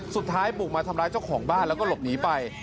สุดท้ายบุกมาทำร้ายเจ้าของบ้านแล้วก็หลบหนีไป